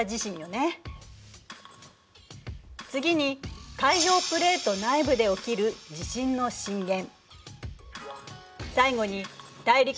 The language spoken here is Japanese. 最後に大陸プレート内部で起きる地震の震源。